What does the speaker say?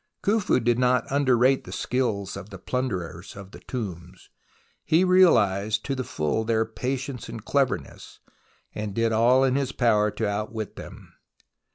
Khuf u did not underrate the skill of the plunderers of the tombs. He realized to the full their patience and cleverness, and did all in his power to outwit them.